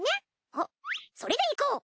あっそれでいこう！